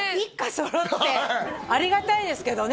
揃ってありがたいですけどね